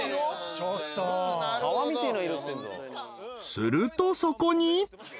［するとそこに］